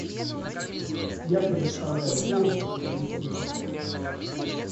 Я предоставляю слово представителю Израиля.